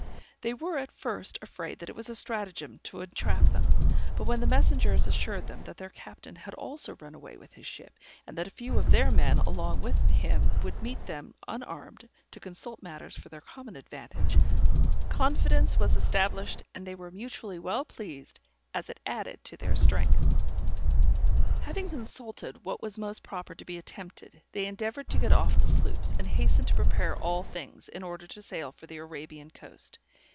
They were at first afraid that it was a stratagem to entrap them, but when the messengers assured them that their captain had also run away with his ship, and that a few of their men along with him would meet them unarmed, to consult matters for their common advantage, confidence was established, and they were mutually well pleased, as it added to their strength. Having consulted what was most proper to be attempted they endeavored to get off the sloops, and hastened to prepare all things, in order to sail for the Arabian coast.